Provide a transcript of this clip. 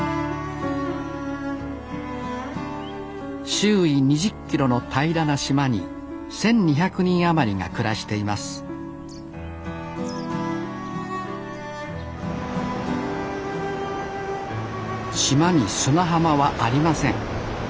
周囲２０ｋｍの平らな島に１，２００人余りが暮らしています島に砂浜はありません。